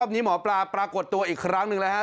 วันนี้หมอปลาปรากฏตัวอีกครั้งหนึ่งแล้วฮะ